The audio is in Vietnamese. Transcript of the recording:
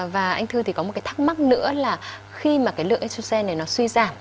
và anh thư thì có một thắc mắc nữa là khi mà lượng estrogen suy giảm